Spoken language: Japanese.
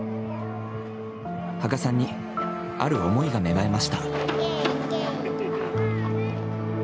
芳賀さんにある思いが芽生えました。